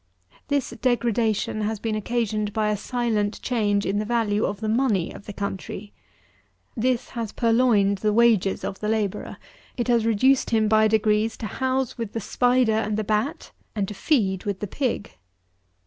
This degradation has been occasioned by a silent change in the value of the money of the country. This has purloined the wages of the labourer; it has reduced him by degrees to housel with the spider and the bat, and to feed with the pig.